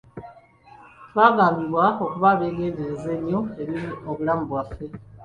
Twagambibwa okuba abeegendereza ennyo eri obulamu bwaffe.